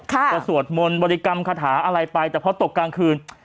ก็สวดมนต์บริกรรมคาถาอะไรไปแต่พอตกกลางคืน